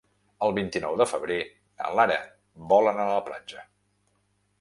El vint-i-nou de febrer na Lara vol anar a la platja.